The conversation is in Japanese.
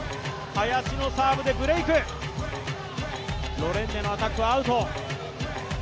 林のサーブでブレイク、ロレンネのアタックはアウト。